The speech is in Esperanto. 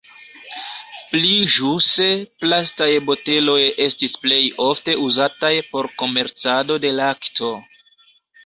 Pli ĵuse, plastaj boteloj estis plej ofte uzataj por komercado de lakto.